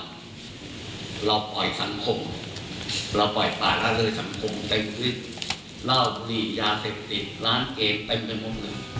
เต็มฤทธิ์เหล้าบุรียาเศษติดร้านเกมเป็นกันหมดหนึ่ง